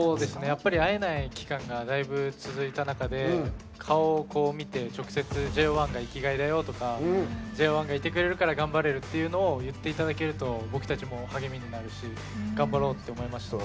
やっぱり会えない期間がだいぶ続いた中で顔を見て直接ＪＯ１が生きがいだよとかＪＯ１がいてくれるから頑張れるっていうのを言っていただけると僕たちも励みになるし頑張ろうって思えました。